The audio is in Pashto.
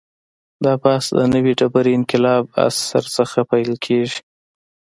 دا بحث د نوې ډبرې انقلاب عصر څخه پیل کېږي.